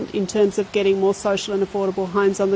dalam hal mendapatkan rumah sosial dan berharga di tanah